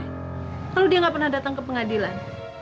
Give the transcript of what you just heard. kalau dia nggak pernah datang ke pengadilan